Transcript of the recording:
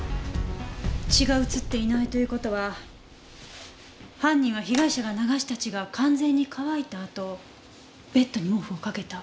血が移っていないという事は犯人は被害者が流した血が完全に乾いたあとベッドに毛布をかけた。